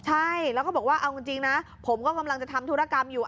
ใช่แล้วก็บอกว่าเอาจริงนะผมก็กำลังจะทำธุรกรรมอยู่